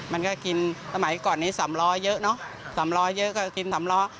มันก็กินสมัยก่อนนี้สำล้อเยอะเนอะสำล้อเยอะก็กินสำล้อ